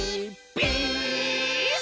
ピース！」